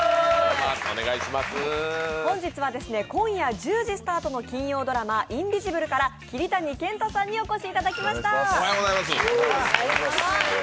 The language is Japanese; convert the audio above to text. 本日は今夜１０時スタートの金曜ドラマ「インビジブル」から桐谷健太さんにお越しいただきました。